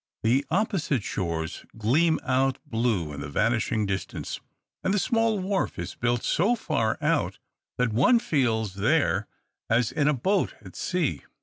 The opposite shores gleam out blue in the vanishing distance; and the small wharf is built so far out, that one feels there as in a boat at sea.